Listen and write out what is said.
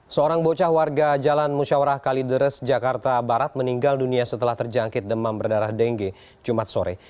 seorang bocah warga jalan musyawarah kalideres jakarta barat meninggal dunia setelah terjangkit demam berdarah dengue jumat sore